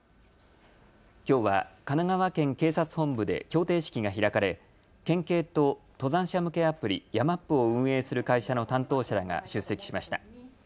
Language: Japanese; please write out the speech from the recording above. きょうは神奈川県警察本部で協定式が開かれ、県警と登山者向けアプリ、ヤマップを運営する会社の担当者が出席しました。